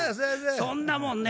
そんなもんね